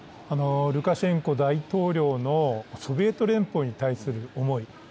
ルカシェンコ大統領のソビエト連邦に対する思い